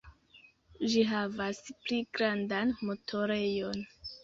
Ĝi havas pli grandan motorejon.